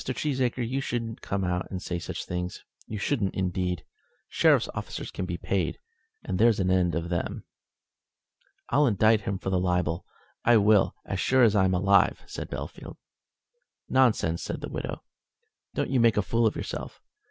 Cheesacre, you shouldn't come and say such things; you shouldn't, indeed. Sheriff's officers can be paid, and there's an end of them." "I'll indict him for the libel I will, as sure as I'm alive," said Bellfield. "Nonsense," said the widow. "Don't you make a fool of yourself.